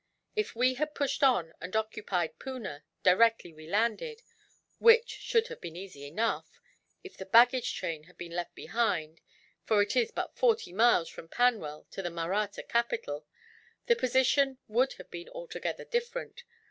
If we had pushed on and occupied Poona, directly we landed which should have been easy enough, if the baggage train had been left behind, for it is but forty miles from Panwell to the Mahratta capital the position would have been altogether different.